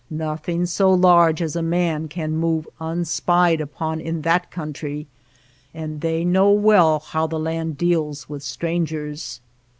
Nothing so large as a man can move unspied upon in that country, and they know well how the land deals with strangers.